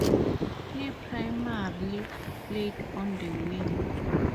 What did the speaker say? He primarily played on the wing.